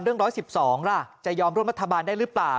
เรื่อง๑๑๒ล่ะจะยอมร่วมรัฐบาลได้หรือเปล่า